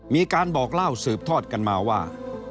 มีการบอกเล่าสืบทอดกันมาว่า